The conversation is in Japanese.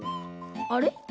あれ？